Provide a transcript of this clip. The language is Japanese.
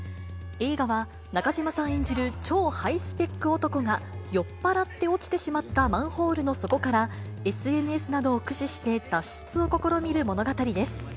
映画は、中島さん演じる超ハイスペック男が、酔っ払って落ちてしまったマンホールの底から、ＳＮＳなどを駆使して、脱出を試みる物語です。